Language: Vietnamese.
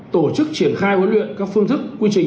tổ chức triển khai huấn luyện các phương thức quy trình